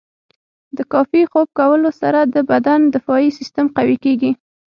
د کافي خوب کولو سره د بدن دفاعي سیستم قوي کیږي.